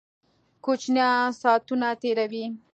کوچینان ساتونه تیروي